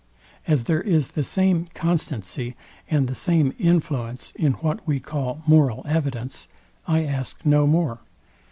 As there is the same constancy, and the same influence in what we call moral evidence, I ask no more.